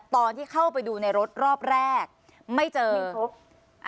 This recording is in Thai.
ตอนที่เข้าไปดูในรถรอบแรกไม่เจอไม่พบ